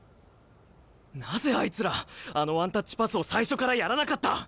なぜあいつらあのワンタッチパスを最初からやらなかった！？